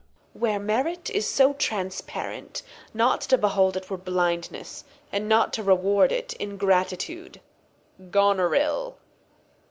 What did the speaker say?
Where Merit is transparent, not to behold it were Blindness ; and not to reward it. Ingratitude. Goneril.